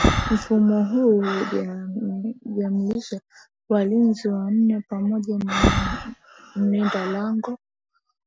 Mfumo huu hujumlisha walinzi wanne pamoja na mlinda lango